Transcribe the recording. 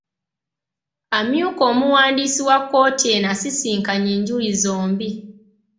Amyuka Omuwandiisi wa kkooti eno asisinkanye enjuyi zombi.